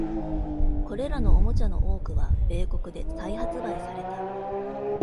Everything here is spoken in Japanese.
これらのおもちゃの多くは米国で再発売された。